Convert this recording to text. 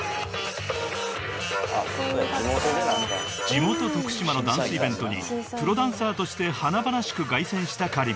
［地元徳島のダンスイベントにプロダンサーとして華々しく凱旋したＫａｒｉｍ］